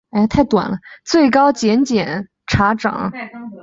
最高检检察长张军强调